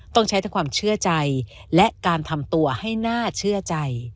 ต้องใช้ทั้งความเชื่อใจและการทำตัวให้น่าเชื่อใจ